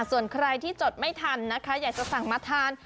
ส่วนใครที่จดไม่ทันนะคะอยากจะสั่งมาทาน